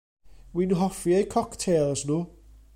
Wi'n hoffi eu coctêls nhw.